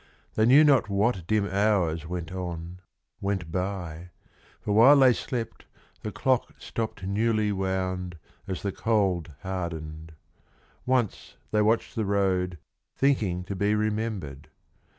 They knew not what dim hours went on, went by, For while they slept the clock stopt newly wound As the cold hardened. Once they watched the road, Thinking to be remembered.